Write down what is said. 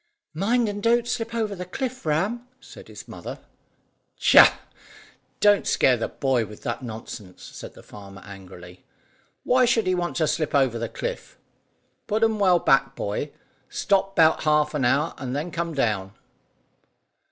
"Mind and don't you slip over the cliff, Ram," said his mother. "Tchah! Don't scare the boy with that nonsense," said the farmer angrily; "why should he want to slip over the cliff? Put 'em well back, boy. Stop 'bout half an hour, and then come down."